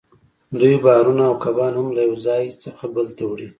دوی بارونه او کبان هم له یو ځای څخه بل ته وړي